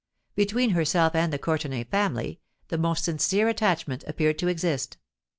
Between herself and the Courtenay family the most sincere attachment appeared to exist.